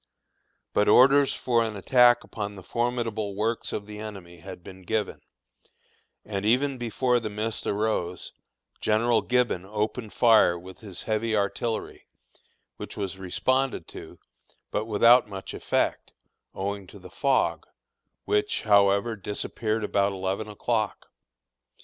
But orders for an attack upon the formidable works of the enemy had been given, and even before the mist arose, General Gibbon opened fire with his heavy artillery, which was responded to, but without much effect, owing to the fog, which, however, disappeared about eleven o'clock.